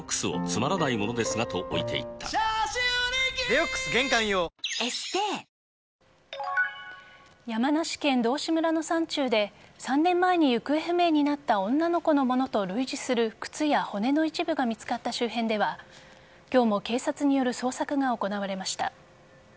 ベッカー氏は２０１７年の破産の際に山梨県道志村の山中で３年前に行方不明になった女の子のものと類似する靴や骨の一部が見つかった周辺では今日も警察による捜索が行われました。